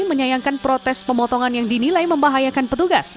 menyayangkan protes pemotongan yang dinilai membahayakan petugas